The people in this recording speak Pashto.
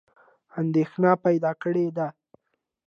اندېښنه پیدا کړې ده.